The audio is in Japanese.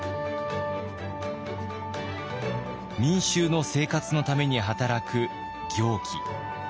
民衆の生活のために働く行基。